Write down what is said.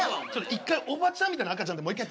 一回おばちゃんみたいな赤ちゃんでもう一回やってみよう。